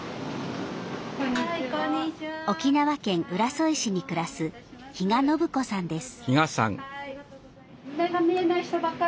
沖縄県浦添市に暮らす、比嘉信子さんです。